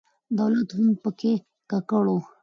دولت هم په کې ککړ و.